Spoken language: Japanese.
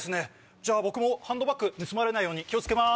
じゃあ僕もハンドバッグ盗まれないように気を付けます。